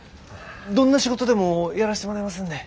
どんな仕事でもやらしてもらいますんで。